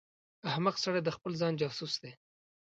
احمق سړی د خپل ځان جاسوس دی.